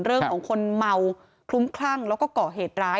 เรื่องของคนเมาคลุ้มคลั่งแล้วก็เกาะเหตุร้าย